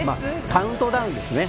カウントダウンですね。